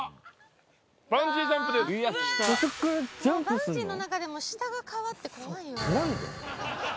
バンジーの中でも下が川って怖いのよ。